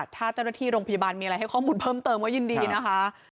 ถ้าเจ้าหน้าที่โรงพยาบาลมีอะไรให้ข้อมูลเพิ่มเติมก็ยินดีนะคะ